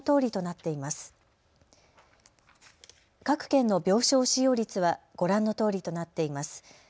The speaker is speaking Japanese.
各県の病床使用率はご覧のとおりとなっています。